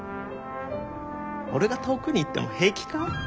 俺が遠くに行っても平気か？